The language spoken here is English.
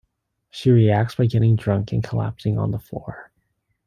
She reacts by getting drunk and collapsing on the floor.